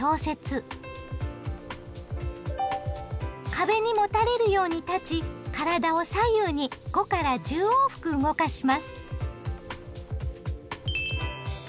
壁にもたれるように立ち体を左右に５１０往復動かします。